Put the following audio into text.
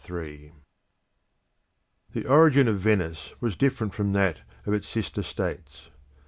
Venice The origin of Venice was different from that of its sister states.